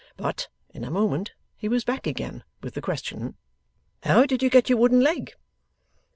But, in a moment he was back again with the question: 'How did you get your wooden leg?